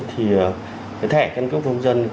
thì cái thẻ khen cấp vô dân